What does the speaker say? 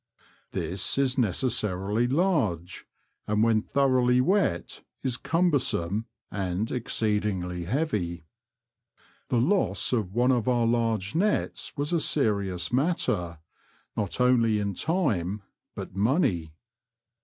This is necessarily large, and when thoroughly wet is cumbersome and exceedingly heavy. The loss of one of The Confessions of a Poacher. 99 our large nets was a serious matter, not only in time but money.